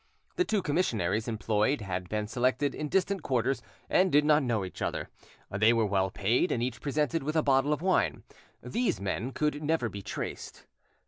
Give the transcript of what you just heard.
The two commissionaires employed had been selected in distant quarters, and did not know each other. They were well paid, and each presented with a bottle of wine. These men could never be traced.